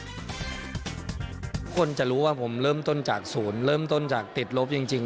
คนจะรู้ว่าผมเริ่มต้นจากศูนย์เริ่มต้นจากติดลบจริง